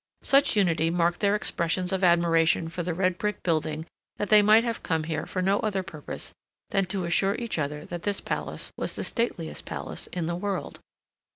Such unity marked their expressions of admiration for the red brick building that they might have come there for no other purpose than to assure each other that this palace was the stateliest palace in the world.